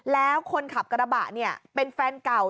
แล้วคนขับกระบะเนี่ยเป็นแฟนเก่า